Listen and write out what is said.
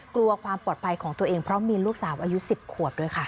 กลัวความปลอดภัยของตัวเองเพราะมีลูกสาวอายุ๑๐ขวบด้วยค่ะ